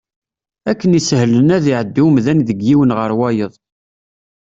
Akken isehlen ad iɛeddi umdan deg yiwen ɣer wayeḍ.